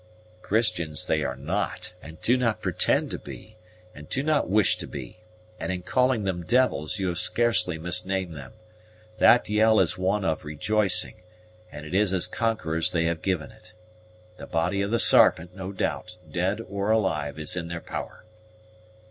"Christians they are not, and do not pretend to be, and do not wish to be; and in calling them devils you have scarcely misnamed them. That yell is one of rejoicing, and it is as conquerors they have given it. The body of the Sarpent, no doubt, dead or alive, is in their power.